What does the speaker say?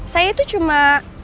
saya tuh cuma